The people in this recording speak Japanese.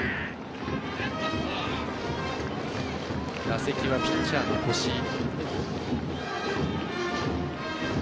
打席はピッチャーの越井。